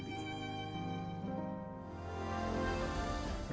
rudy menempuh pendidikan tinggi di institut teknologi bandung